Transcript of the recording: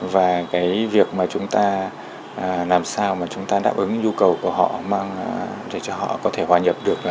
và cái việc mà chúng ta làm sao mà chúng ta đáp ứng nhu cầu của họ để cho họ có thể hòa nhập được